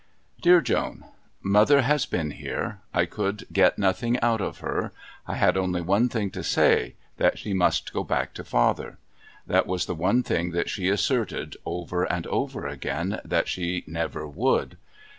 Dear Joan Mother has been here. I could get nothing out of her. I had only one thing to say that she must go back to father. That was the one thing that she asserted, over and over again, that she never would.